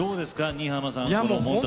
新浜さん